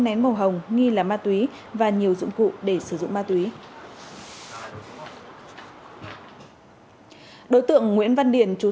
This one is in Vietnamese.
nén màu hồng nghi là ma túy và nhiều dụng cụ để sử dụng ma túy đối tượng nguyễn văn điển chú